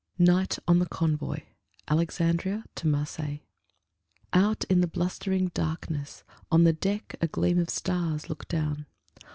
NIGHT ON THE CONVOY (ALEXANDRIA MARSEILLES) Out in the blustering darkness, on the deck A gleam of stars looks down.